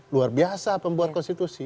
luar biasa pembuat konstitusi